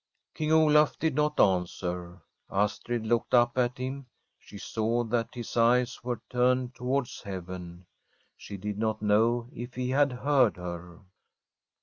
King Olaf did not answer. Astrid looked up at him; she saw that his eyes were turned towards heaven. She did not know if he had heard her.